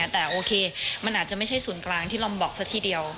แต่โอเคมันอาจจะไม่ใช่ศูนย์กลางที่ลอมบอกซะทีเดียว